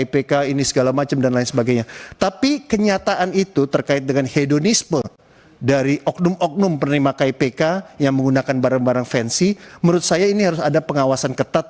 pengiriman berkas berkas persyaratan